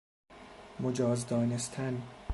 مجاز دانستن